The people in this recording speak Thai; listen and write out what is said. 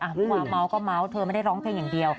ผู้ว่าเมาก็เมาส์เธอไม่ได้ร้องเพลงอย่างเดียว